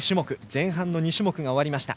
前半の２種目が終わりました。